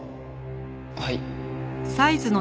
はい？